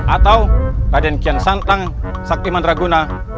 atau raden kian santang saktiman raguna